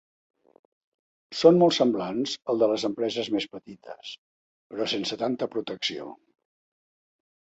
Són molt semblants als de les empreses més petites, però sense tanta protecció.